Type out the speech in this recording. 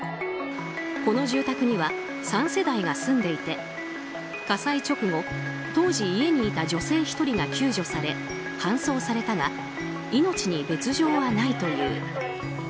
この住宅には３世代が住んでいて火災直後当時、家にいた女性１人が救助され搬送されたが命に別条はないという。